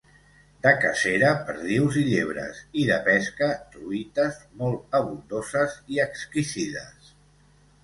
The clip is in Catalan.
De cacera, perdius i llebres, i de pesca, truites, molt abundoses i exquisides.